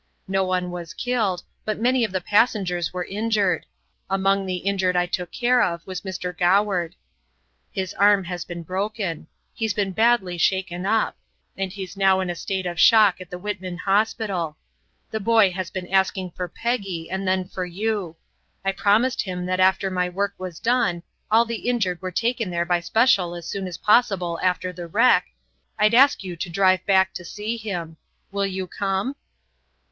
No one was killed, but many of the passengers were injured. Among the injured I took care of was Mr. Goward. His arm has been broken. He's been badly shaken up and he's now in a state of shock at the Whitman Hospital. The boy has been asking for Peggy, and then for you. I promised him that after my work was done all the injured were taken there by a special as soon as possible after the wreck I'd ask you to drive back to see him. Will you come?"